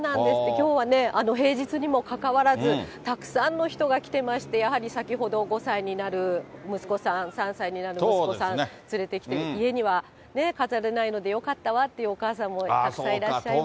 きょうはね、平日にもかかわらず、たくさんの人が来てまして、やはり先ほど、５歳になる息子さん、３歳になる息子さん連れてきて、家には飾れないので、よかったわっていうお母さんもたくさんいらっしゃいました。